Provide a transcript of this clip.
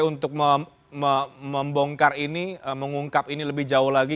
untuk membongkar ini mengungkap ini lebih jauh lagi